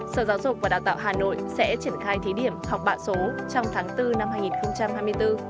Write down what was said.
sở giáo dục và đào tạo hà nội sẽ triển khai thí điểm học bạ số trong tháng bốn năm hai nghìn hai mươi bốn